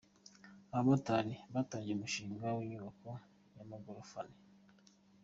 Abamotari batangije umushinga w’inyubako y’amagorofa Ane